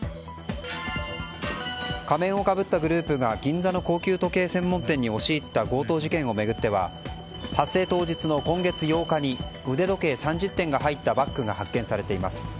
仮面をかぶったグループが銀座の高級時計専門店に押し入った事件については発生当日の今月８日に腕時計３０点が入ったバッグが発見されています。